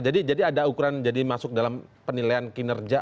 jadi jadi ada ukuran jadi masuk dalam penilaian kinerja